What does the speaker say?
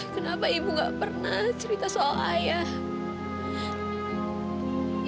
kenapa ibu gak pernah cerita soal ayah